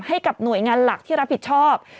ให้กับหน่วยงานหลักที่รับผิดชอบ